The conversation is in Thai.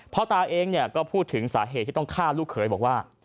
ตาเองก็พูดถึงสาเหตุที่ต้องฆ่าลูกเขยบอกว่า